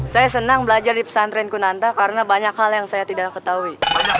saya senang belajar di pesantren kunanta karena banyak hal yang saya tidak ketahui